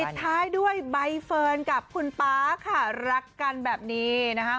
ท้ายด้วยใบเฟิร์นกับคุณป๊าค่ะรักกันแบบนี้นะคะ